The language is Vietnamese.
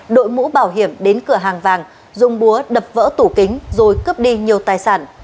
đội mũ bảo hiểm đến cửa hàng vàng dùng búa đập vỡ tủ kính rồi cướp đi nhiều tài sản